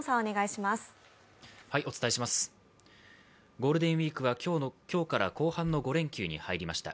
ゴールデンウイークは今日から後半の５連休に入りました。